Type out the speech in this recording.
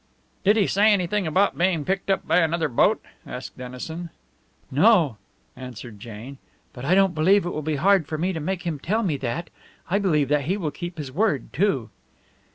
"Did he say anything about being picked up by another boat?" asked Dennison. "No," answered Jane. "But I don't believe it will be hard for me to make him tell me that. I believe that he will keep his word, too."